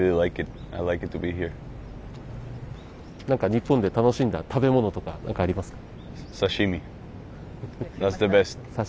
◆日本で楽しんだ食べ物とか、ありますか？